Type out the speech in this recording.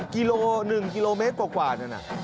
กิโลหนึ่งกิโลเมตรกว่านี่นะ